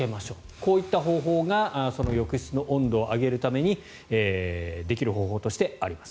こういった方法がその浴室の温度を上げるためにできる方法としてあります。